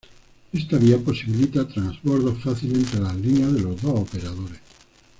Esta vía posibilita transbordos fáciles entre las líneas de los dos operadores.